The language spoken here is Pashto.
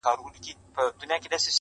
چي غمزه غمزه راګورې څه نغمه نغمه ږغېږې-